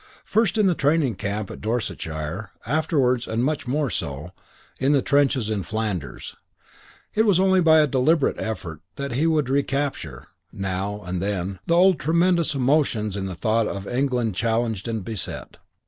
First in the training camp in Dorsetshire, afterwards, and much more so, in the trenches in Flanders, it was only by a deliberate effort that he would recapture, now and then, the old tremendous emotions in the thought of England challenged and beset.